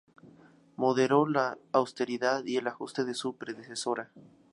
Moderó la austeridad y el ajuste de su predecesora.